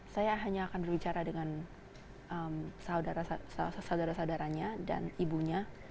saya hanya akan berbicara dengan saudara saudaranya dan ibunya